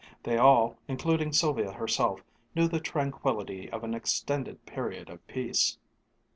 They all, including Sylvia herself, knew the tranquillity of an extended period of peace.